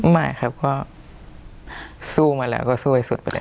ไม่ครับก็สู้มาแล้วก็สู้ให้สุดไปเลย